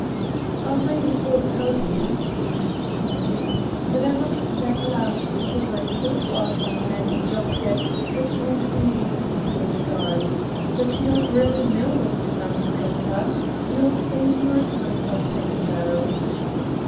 "I might as well tell you," Ford continued, "that I knocked that last cigarette so far from where you dropped it that you won't be able to use it as a guide. So, if you don't really know where you found the paper, you'll save my time by saying so."